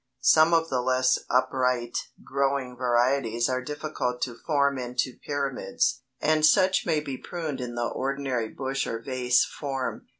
Some of the less upright growing varieties are difficult to form into pyramids, and such may be pruned in the ordinary bush or vase form.